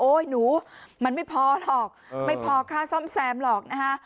หนูมันไม่พอหรอกไม่พอค่าซ่อมแซมหรอกนะฮะ